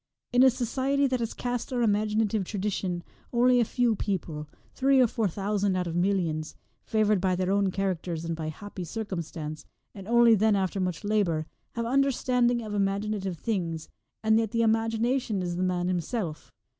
In a society that has cast out imagina tive tradition, only a few people — three or four thousand out of millions — favoured by their own characters and by happy circum stance, and only then after much labour, have understanding of imaginative things, and yet ' the imagination is the man him self.'